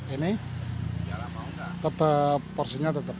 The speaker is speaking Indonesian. ini tetap porsinya tetap